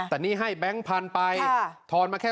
แต่นี่ให้แบงค์พันธุ์ไปทอนมาแค่